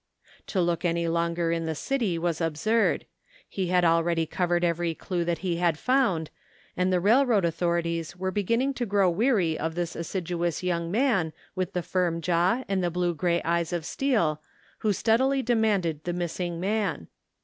To look any longer in the city was absurd. He had already covered every clue that he had found, and the railroad authorities were beginning to grow weary of this assiduous young man with the firm jaw and the blue gray eyes of steel who steadily demanded the miss ing man.